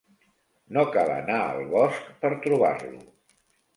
No cal anar al bosc per trobar-lo.